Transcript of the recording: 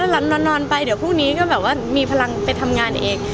นอนไปเดี๋ยวพรุ่งนี้ก็แบบว่ามีพลังไปทำงานเอง